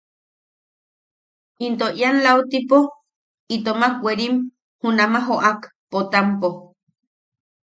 Into ian lautipo itommak werim junama joʼak Potampo.